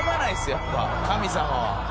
やっぱ神様は。